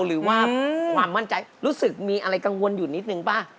หรือว่าความมั่นใจรู้สึกมีอะไรกังวลอยู่นิดนึงป่ะ